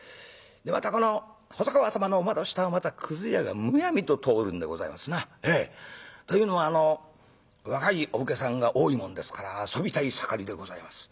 でまたこの細川様のお窓下はくず屋がむやみと通るんでございますな。というのは若いお武家さんが多いもんですから遊びたい盛りでございます。